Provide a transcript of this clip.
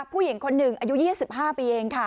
ผู้หญิงคนหนึ่งอายุ๒๕ปีเองค่ะ